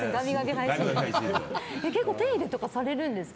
結構、手入れとかされるんですか？